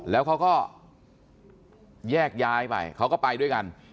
แล้วเขาก็แยกย้ายไปเขาก็ไปด้วยกัน